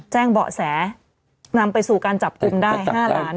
แจ้งเบาะแสนำไปสู่การจับกลุ่มได้๕ล้าน